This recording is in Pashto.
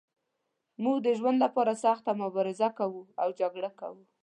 موږ د ژوند لپاره سخته مبارزه کوو او جګړه کوو.